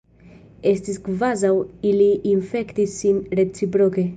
Estis kvazaŭ ili infektis sin reciproke.